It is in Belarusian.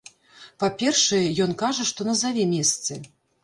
Па-першае, ён кажа, што назаве месцы.